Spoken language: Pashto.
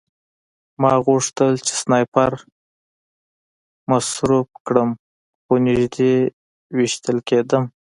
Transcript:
ما غوښتل چې سنایپر مصروف کړم خو نږدې ویشتل کېدم